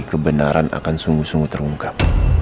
kebenaran akan sungguh sungguh terungkap